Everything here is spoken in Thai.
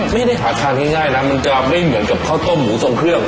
ไม่ได้หาทานง่ายนะมันจะไม่เหมือนกับข้าวต้มหมูทรงเครื่อง